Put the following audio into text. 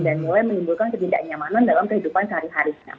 dan mulai menimbulkan kebidikan nyamanan dalam kehidupan sehari hari